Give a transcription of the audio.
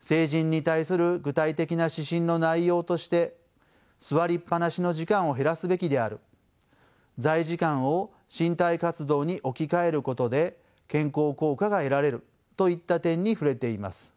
成人に対する具体的な指針の内容として座りっぱなしの時間を減らすべきである座位時間を身体活動に置き換えることで健康効果が得られるといった点に触れています。